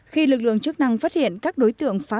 khi lực lượng chức năng phát hiện các đối tượng phá rừng